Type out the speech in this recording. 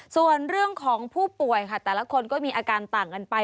ส่วนเรื่องของผู้ป่วยค่ะแต่ละคนก็มีอาการต่างกันไป